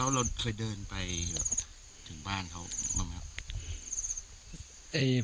เราเคยเดินไปถึงบ้านเขาบ้างไหมครับ